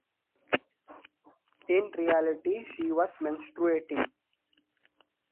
In reality, she was menstruating.